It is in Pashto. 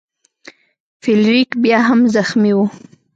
فلیریک بیا هم زخمی و.